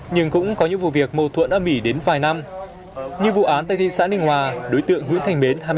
nhưng cũng có những vụ việc mâu thuẫn ở mỹ đến vài năm như vụ án tại thị xã ninh hòa đối tượng nguyễn thành bến